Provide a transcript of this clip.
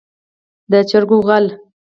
د چرګو غل.